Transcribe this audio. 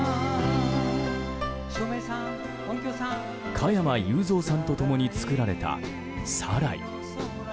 加山雄三さんと共に作られた「サライ」。